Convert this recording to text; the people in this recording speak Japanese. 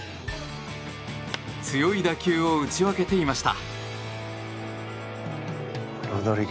強い打球を打ち分けていました。